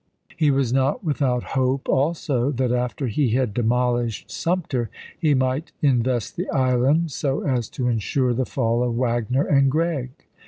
He was not without hope, also, that after he had demolished Sumter he might invest the island so as to insure the fall of Wagner and Gregg.